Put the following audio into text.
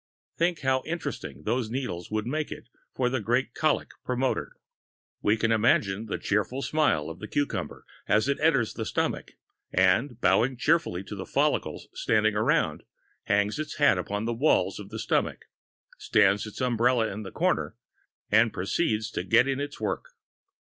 Think how interesting those needles would make it for the great colic promoter! We can imagine the cheerful smile of the cucumber as it enters the stomach, and, bowing cheerfully to the follicles standing around, hangs its hat upon the walls of the stomach, stands its umbrella in a corner, and proceeds to get in its work.